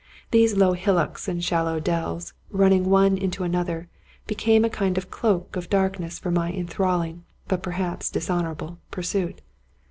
These low hillocks and shallow dells, running one into another, became a kind of cloak of dark ness for my inthralling, but perhaps dishonorable, pursuit.